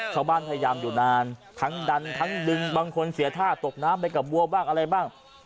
พยายามอยู่นานทั้งดันทั้งดึงบางคนเสียท่าตกน้ำไปกับวัวบ้างอะไรบ้าง